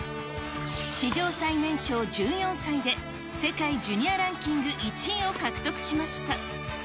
史上最年少１４歳で世界ジュニアランキング１位を獲得しました。